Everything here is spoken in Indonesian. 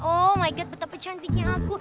oh my god betapa cantiknya aku